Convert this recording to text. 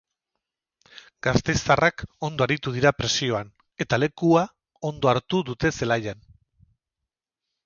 Gasteiztarrak ondo aritu dira presioan, eta lekua ondo hartu dute zelaian.